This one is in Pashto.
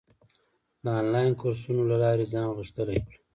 د انلاین کورسونو له لارې ځان غښتلی کړه.